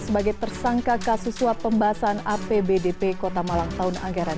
sebagai tersangka kasus suap pembahasan apbdp kota malang tahun anggaran dua ribu lima belas